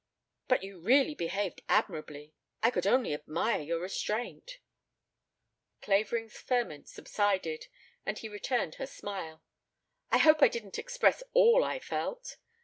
But you really behaved admirably; I could only admire your restraint." Clavering's ferment subsided, and he returned her smile. "I hope I didn't express all I felt.